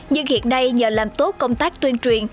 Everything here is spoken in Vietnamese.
nhưng hiện nay nhờ làm tốt công tác tuyên truyền